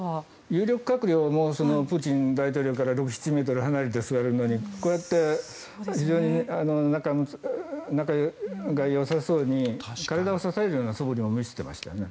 有力閣僚もプーチン大統領から６７ｍ離れて座るのにこうやって非常に仲がよさそうに体を支えるようなそぶりも見せていましたよね。